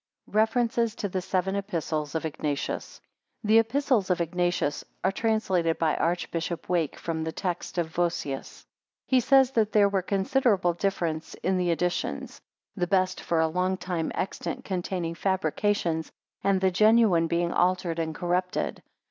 REFERENCES TO THE SEVEN EPISTLES OF IGNATIUS. [The Epistles of Ignatius are translated by Archbishop Wake from the text of Vossius. He says that there were considerable difference in the editions; the best for a long time extant containing fabrications, and the genuine being altered and corrupted.